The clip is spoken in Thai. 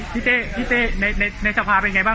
พิดทีค่าัมปรากฎว่าจะตั้ง